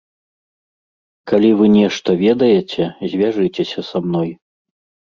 Калі вы нешта ведаеце, звяжыцеся са мной.